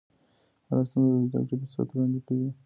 هره ستونزه د زده کړې فرصت وړاندې کوي.